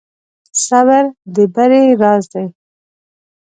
صبر د بری راز دی.